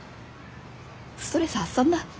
ストレス発散だ。